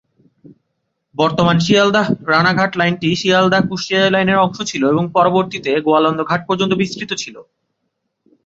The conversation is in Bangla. বর্তমান শিয়ালদাহ-রানাঘাট লাইনটি শিয়ালদাহ-কুষ্টিয়া লাইনের অংশ ছিল এবং পরবর্তীতে গোয়ালন্দ ঘাট পর্যন্ত বিস্তৃত ছিল।